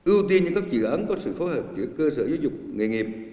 ưu tiên như các dự án có sự phối hợp giữa cơ sở giới dục nghề nghiệp